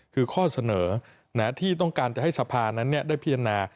คือข้อเสนอที่ต้องการจะให้สภานั้นได้พิจารณา